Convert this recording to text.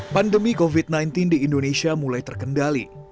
pandemi covid sembilan belas di indonesia mulai terkendali